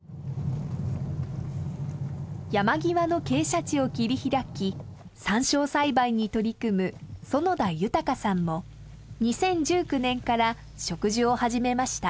山際の傾斜地を切り開きサンショウ栽培に取り組む園田豊さんも２０１９年から植樹を始めました。